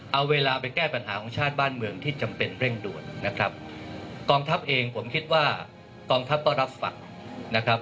เอาเวลาไปแก้ปัญหาของชาติบ้านเมืองที่จำเป็นเร่งด่วนนะครับกองทัพเองผมคิดว่ากองทัพก็รับฟังนะครับ